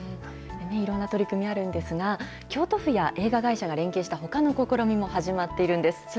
いろんな取り組みあるんですが、京都府や映画会社が連携したほかの試みも始まっているんです。